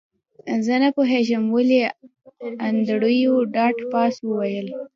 زه نه پوهیږم ولې انډریو ډاټ باس وویل